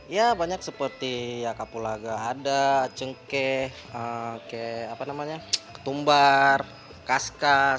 ya banyak seperti ya kapulaga ada cengkeh ketumbar kaskas